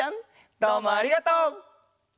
どうもありがとう！